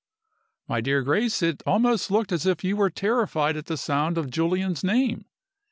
"My dear Grace, it almost looked as if you were terrified at the sound of Julian's name!